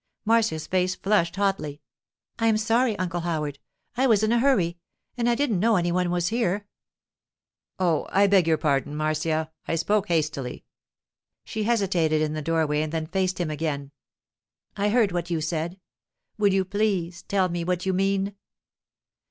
Marcia's face flushed hotly. 'I am sorry, Uncle Howard; I was in a hurry, and didn't know any one was in here.' 'Oh, I beg your pardon, Marcia! I spoke hastily.' She hesitated in the doorway and then faced him again. 'I heard what you said. Will you please tell me what you mean?